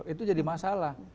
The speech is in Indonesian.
itu jadi masalah